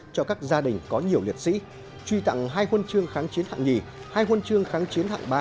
cho các gia đình có nhiều liệt sĩ truy tặng hai huân chương kháng chiến hạng hai hai huân chương kháng chiến hạng ba